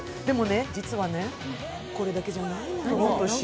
でもね、実はこれだけじゃないの。